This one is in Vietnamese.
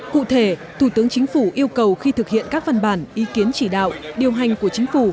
cụ thể thủ tướng chính phủ yêu cầu khi thực hiện các văn bản ý kiến chỉ đạo điều hành của chính phủ